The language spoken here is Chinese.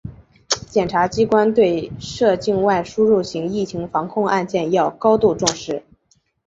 检察机关对涉境外输入型疫情防控案件要高度重视